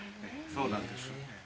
そうなんです。